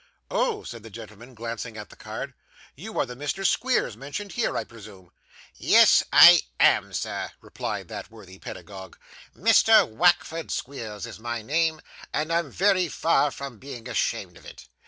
'Oh!' said the gentleman, glancing at the card, 'you are the Mr. Squeers mentioned here, I presume?' 'Yes, I am, sir,' replied the worthy pedagogue; 'Mr. Wackford Squeers is my name, and I'm very far from being ashamed of it.